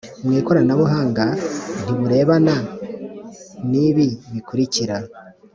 mu ikoranabuhanga ntiburebana n ibi bikurikira